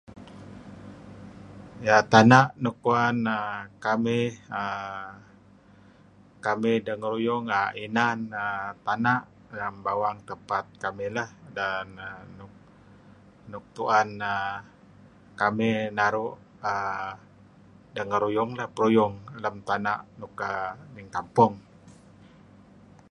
Yea tana' luk kuwan aah kamih aah kamih dengeruyung aah inan tana' lem bawang tempat kamih lah dan luk tu'en [ar] kamih naru' aah dengeruyung lah peruyung lem tana' nuk aah lem kampong.